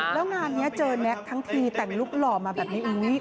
แล้วงานนี้เจอแน็กทั้งทีแต่งลุคหล่อมาแบบนี้